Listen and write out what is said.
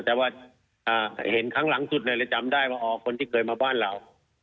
แต่ว่าเห็นครั้งหลังสุดเลยจำได้ว่าอ๋อคนที่เคยมาบ้านเรา